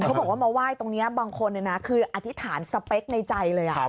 เขาบอกว่ามาไหว้ตรงนี้บางคนคืออธิษฐานสเปคในใจเลย